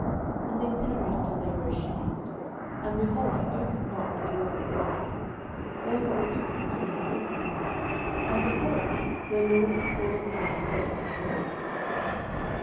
07:003:025 And they tarried till they were ashamed: and, behold, he opened not the doors of the parlour; therefore they took a key, and opened them: and, behold, their lord was fallen down dead on the earth.